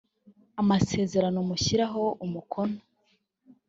amasezerano mushyiraho umukono